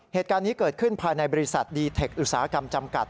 เหตุการณ์นี้เกิดขึ้นภายในบริษัทดีเทคอุตสาหกรรมจำกัด